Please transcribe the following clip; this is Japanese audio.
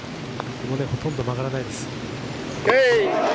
これ、ほとんど曲がらないです。